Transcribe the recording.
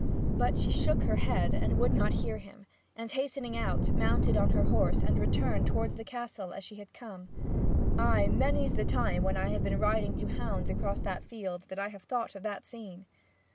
But she shook her head and would not hear him and hastening out, mounted her horse, and returned towards the Castle as she had come. Ay, many's the time when I have been riding to hounds across that field that I have thought of that scene!